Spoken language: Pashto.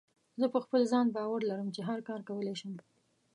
زه په خپل ځان باور لرم چې هر کار کولی شم.